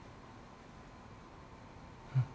うん。